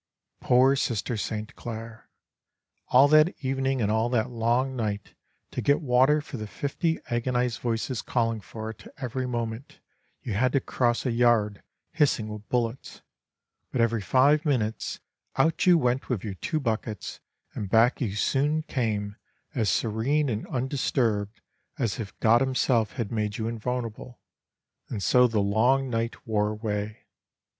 "Poor Sister St. Claire! All that evening and all that long night to get water for the fifty agonized voices calling for it every moment you had to cross a yard hissing with bullets, but every five minutes out you went with your two buckets and back you soon came as serene and undisturbed as if God Himself had made you invulnerable. And so the long night wore away.